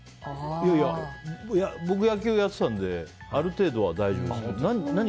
いやいや僕野球やってたのである程度は大丈夫ですけど。